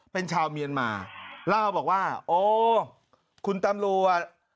เป็นชาวเมียนมาเล่าบอกว่าโอ้คุณตำรวจ